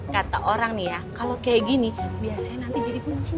kata orang nih ya kalau kayak gini biasanya nanti jadi kunci